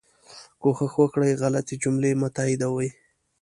کوښښ وکړئ غلطي جملې مه تائیدوئ